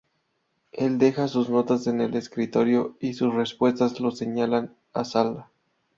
Él deja sus notas en su escritorio, y sus respuestas lo señalan a "Zala".